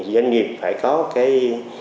doanh nghiệp phải có cái